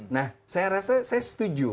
nah saya rasa saya setuju